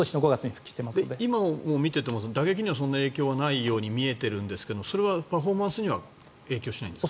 今、見てても打撃にはそんな影響がないように見えてるんですがそれはパフォーマンスには影響しないんですか。